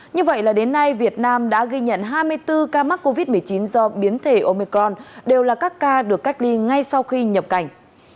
như vậy là đến nay việt nam đã ghi nhận hai mươi bốn ca mắc covid một mươi chín do biến thể omecron đều là các ca được cách ly ngay sau khi nhập cảnh